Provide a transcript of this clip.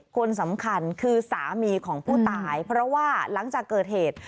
คนสำคัญคือสามีของผู้ตายเพราะว่าหลังจากเกิดเหตุ